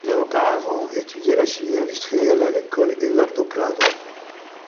Il a auparavant étudié la chimie industrielle à l'École Eduardo Prado.